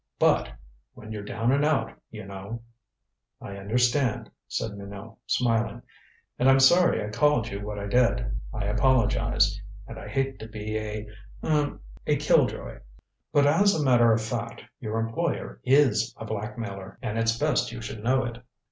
But when you're down and out, you know " "I understand," said Minot, smiling. "And I'm sorry I called you what I did. I apologize. And I hate to be a er a killjoy. But as a matter of fact, your employer is a blackmailer, and it's best you should know it."